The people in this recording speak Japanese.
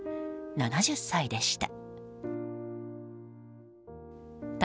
７０歳でした。